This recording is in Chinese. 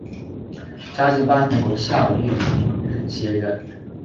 嘉靖八年由夏玉麟接任。